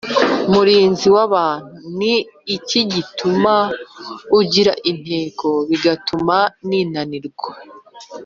murinzi w’abantu’ ni iki gituma ungira intego, bigatuma ninanirwa’